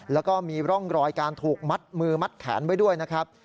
แล้วก็มีร่องรอยการถูกมัดมือมัดแขนไว้ด้วยนะครับ